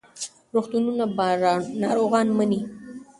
روغتونونه به ناروغان مني.